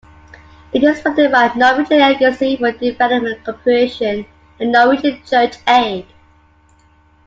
It is funded by Norwegian Agency for Development Cooperation, and Norwegian Church Aid.